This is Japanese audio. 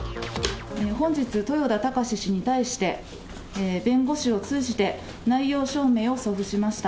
本日、豊田貴志氏に対して、弁護士を通じて内容証明を送付しました。